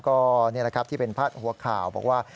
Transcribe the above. ก็นี่แหละครับที่เป็นพาดหัวข่าวบอกว่า